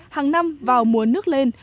hàng năm vào mùa nước lên